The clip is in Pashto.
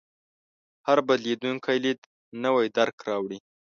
هر بدلېدونکی لید نوی درک راوړي.